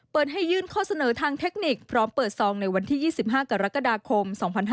ให้ยื่นข้อเสนอทางเทคนิคพร้อมเปิดซองในวันที่๒๕กรกฎาคม๒๕๕๙